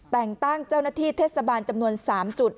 แต่งตั้งเจ้านาทีเทศสะบานจำนวนสามจุด